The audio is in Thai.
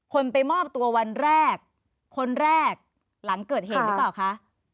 คนไปมอบตัววันแรกคนแรกหลังเกิดเหตุหรือเปล่าคะ